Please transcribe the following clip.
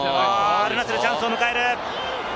アルナスル、チャンスを迎える。